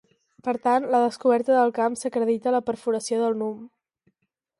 Per tant, la descoberta del camp s'acredita a la perforació del núm.